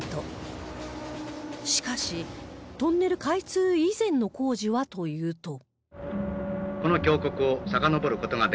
しかしトンネル開通以前の工事はというと